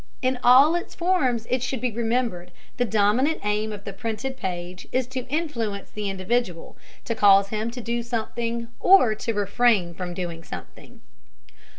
In all its forms, it should be remembered, the dominant aim of the printed page is to influence the individual, to cause him to do something or to refrain from doing something.